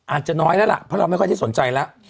อาจจะน้อยแล้วล่ะเพราะเราไม่ค่อยได้สนใจแล้ว